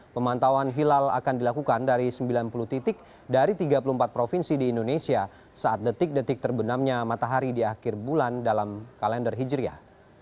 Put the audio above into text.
pemantauan hilal akan dilakukan dari sembilan puluh titik dari tiga puluh empat provinsi di indonesia saat detik detik terbenamnya matahari di akhir bulan dalam kalender hijriah